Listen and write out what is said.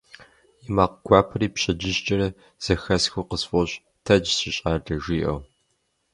И макъ гуапэри пщэдджыжькӏэрэ зэхэсхыу къысфӏощӏ: «Тэдж, си щӏалэ», - жиӏэу.